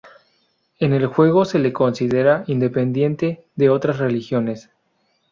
En el juego se le considera independiente de otras religiones.